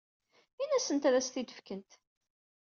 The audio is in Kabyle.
Ini-asent ad as-tt-id-fkent.